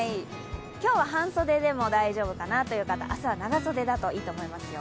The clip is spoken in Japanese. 今日は半袖でも大丈夫かなという方、明日は長袖だといいと思いますよ。